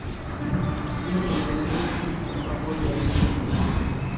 Kasiga ni Mkurugenzi masoko wa bodi ya Utalii Tanzani